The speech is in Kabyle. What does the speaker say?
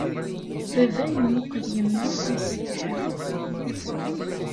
Baba yemmuqqel yemma, yessetḥa.